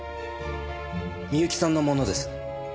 美由紀さんのものです。